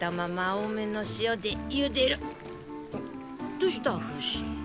どうしたフシ？